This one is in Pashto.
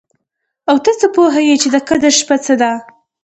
او ته څه پوه يې چې د قدر شپه څه ده؟